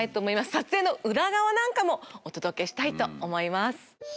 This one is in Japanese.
撮影の裏側なんかもお届けしたいと思います。